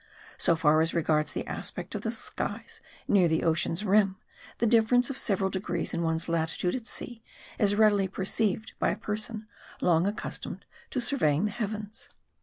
So far as regards the aspect of the skies near the ocean's rim, the difference of several de grees in one's latitude at sea, is readily perceived by a per son long accustomed to surveying the heavens.